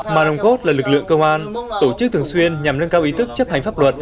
mà nồng cốt là lực lượng công an tổ chức thường xuyên nhằm nâng cao ý thức chấp hành pháp luật